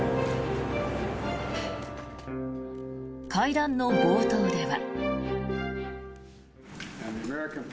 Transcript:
会談の冒頭では。